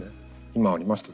今ありました